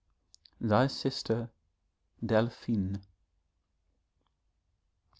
'Thy Sister, DELPHINE.'